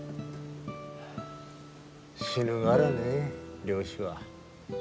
死ぬがらね漁師は。